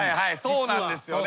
そうなんですよね。